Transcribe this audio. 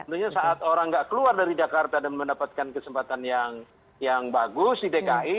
tentunya saat orang nggak keluar dari jakarta dan mendapatkan kesempatan yang bagus di dki